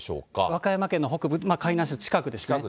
和歌山県の北部、海南市の近くですね。